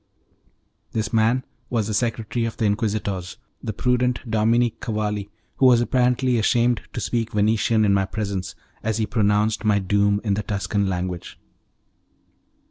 This man was the secretary of the Inquisitors, the prudent Dominic Cavalli, who was apparently ashamed to speak Venetian in my presence as he pronounced my doom in the Tuscan language.